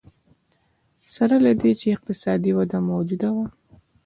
سره له دې چې اقتصادي وده موجوده وه.